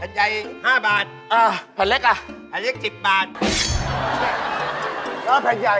เอาพิเศษที่ธรรมดา